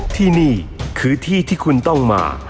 ที่นี่คือที่ที่คุณต้องมา